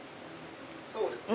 そうですね。